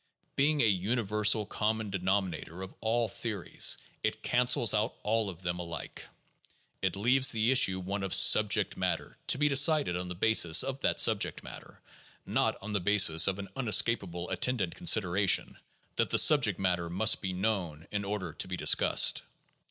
Being a universal common denominator of all theories, it cancels out of all of them alike. It leaves the issue one of subject matter, to be decided on the basis of that subject matter, not on the basis of an unescapable at tendant consideration that the subject matter must be known in order to be discussed.